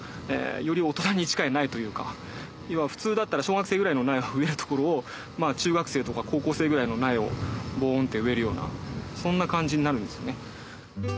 普通だったら小学生ぐらいの苗を植えるところを中学生とか高校生ぐらいの苗をボンッて植えるようなそんな感じになるんですよね。